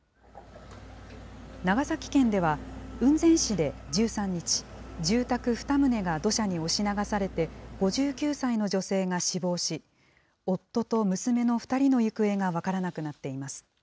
長崎県では雲仙市で１３日、住宅２棟が土砂に押し流されて、５９歳の女性が死亡し、夫と娘の２人の行方が分からなくなっています。